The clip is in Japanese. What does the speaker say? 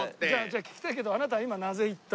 じゃあ聞きたいけどあなた今なぜ行った？